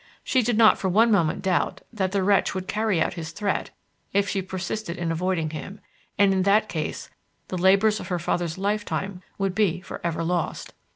She did not for one moment doubt that the wretch would carry out his threat if she persisted in avoiding him, and in that case the labours of her father's lifetime would be for ever lost.